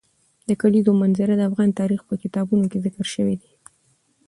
د کلیزو منظره د افغان تاریخ په کتابونو کې ذکر شوی دي.